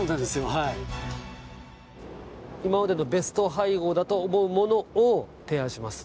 はい今までのベスト配合だと思うものを提案します